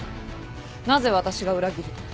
なぜ私が裏切ると。